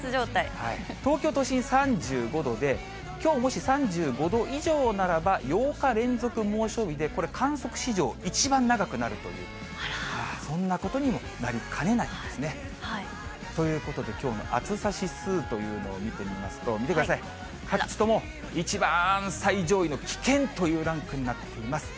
東京都心３５度で、きょうもし３５度以上ならば、８日連続猛暑日で、これ、観測史上一番長くなるという、そんなことにもなりかねないですね。ということで、きょうの暑さ指数というのを見てみますと、見てください、各地とも一番最上位の危険というランクになっています。